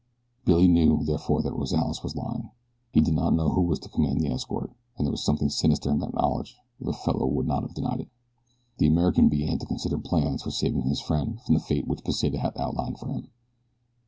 Billy knew, therefore, that Rozales was lying. He did know who was to command the escort, and there was something sinister in that knowledge or the fellow would not have denied it. The American began to consider plans for saving his friend from the fate which Pesita had outlined for him.